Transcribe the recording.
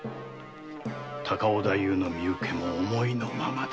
高尾太夫の身請けも思いのままだ。